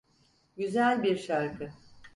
Güzel bir şarkı.